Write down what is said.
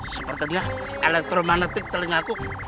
sepertinya elektromagnetik telingaku